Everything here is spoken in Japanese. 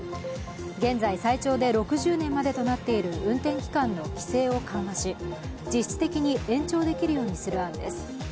現在最長で６０年までとなっている運転期間の規制を緩和し実質的に延長できるようにする案です。